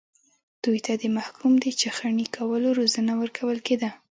دوی ته د محکوم د چخڼي کولو روزنه ورکول کېده.